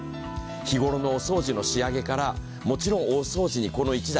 日頃のお掃除の仕上げから、もちろん大掃除にこの１台。